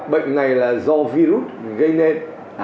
bệnh này là do virus gây nên